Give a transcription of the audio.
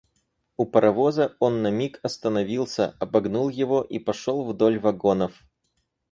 У паровоза он на миг остановился, обогнул его и пошел вдоль вагонов.